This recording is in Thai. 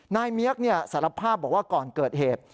เมียกสารภาพบอกว่าก่อนเกิดเหตุ